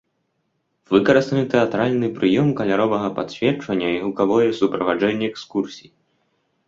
Выкарыстаны тэатральны прыём каляровага падсвечвання і гукавое суправаджэнне экскурсій.